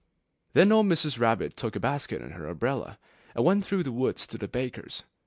Then old Mrs. Rabbit took a basket and her umbrella, and went through the wood to the baker's.